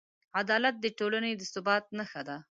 عدالت د ټولنې د ثبات نښه ده.